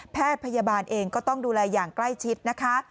แพทย์พยาบาลเองก็ต้องดูแลอย่างใกล้ชิดนะคะ